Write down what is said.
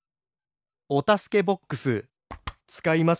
おたすけボックスつかいますか？